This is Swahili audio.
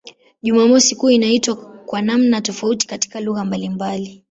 Jumamosi kuu inaitwa kwa namna tofauti katika lugha mbalimbali.